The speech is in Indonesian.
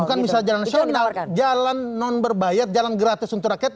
bukan misalnya jalan nasional jalan non berbayar jalan gratis untuk rakyat